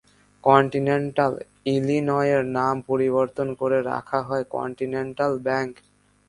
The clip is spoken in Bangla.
কন্টিনেন্টাল ইলিনয়ের নাম পরিবর্তন করে রাখা হয় কন্টিনেন্টাল ব্যাংক।